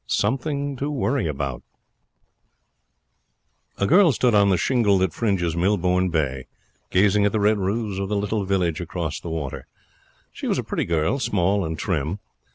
SOMETHING TO WORRY ABOUT A girl stood on the shingle that fringes Millbourne Bay, gazing at the red roofs of the little village across the water. She was a pretty girl, small and trim.